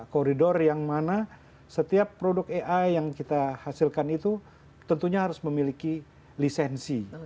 koridor yang mana setiap produk ai yang kita hasilkan itu tentunya harus memiliki lisensi